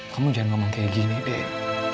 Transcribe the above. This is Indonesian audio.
kamu jangan ngomong kayak gini deh